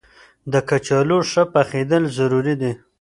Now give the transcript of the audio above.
د کچالو ښه پخېدل ضروري دي.